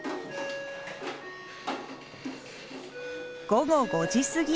午後５時すぎ。